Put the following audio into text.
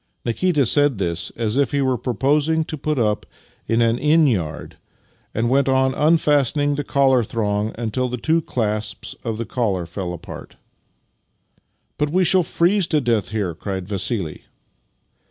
Nikita said this as if he were proposing to put up in an inn yard, and went on unfastening the collar thong until the two clasps of the collar fell apart. " But we shall freeze to death here! " cried Vassili.